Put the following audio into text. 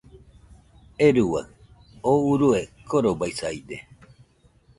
¡Euruaɨ! oo urue korobaisaide